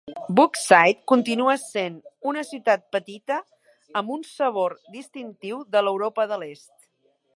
Brookside continua sent una ciutat petita amb un sabor distintiu de l'Europa de l'Est.